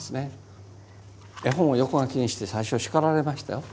絵本を横書きにして最初は叱られましたよ